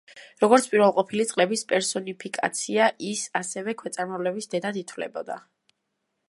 როგორც პირველყოფილი წყლების პერსონიფიკაცია, ის, ასევე, ქვეწარმავლების დედად ითვლებოდა.